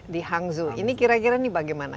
di hangzhou ini kira kira ini bagaimana